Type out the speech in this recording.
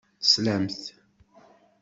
Teslamt.